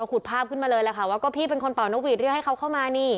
ขุดภาพขึ้นมาเลยแหละค่ะว่าก็พี่เป็นคนเป่านกหวีดเรียกให้เขาเข้ามานี่